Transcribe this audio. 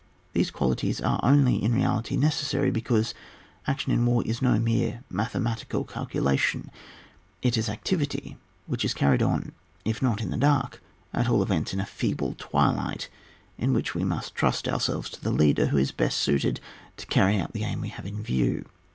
These qualities are only in reality necessary because action in war is no mere mathematical calculation ; it is activity which is carried on if not in the dark, at all events in a feeble twilight, in which we must trust ourselves to the leader who is best suited to carry out the aim we have in view.